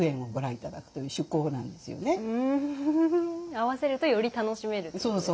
あわせるとより楽しめるっていうことですね。